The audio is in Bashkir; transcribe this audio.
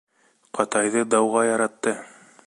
Ҡатайҙы дауға яратты